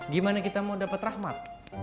gimana kita mau dapat rahmat